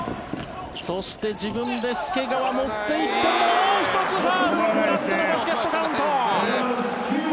そして、自分で介川、持って行ってもう１つファウルをもらってバスケットカウント。